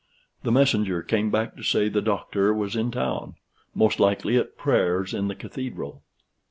The messenger came back to say the Doctor was in town, most likely at prayers in the Cathedral.